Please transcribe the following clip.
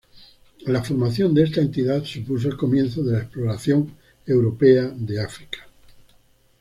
La formación de esta entidad supuso el comienzo de la exploración europea de África.